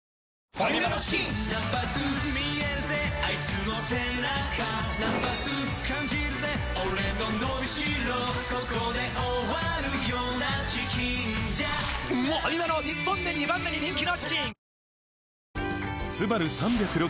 ファミマの日本で２番目に人気のチキン！